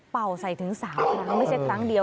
ใส่ถึง๓ครั้งไม่ใช่ครั้งเดียว